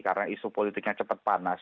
karena isu politiknya cepat panas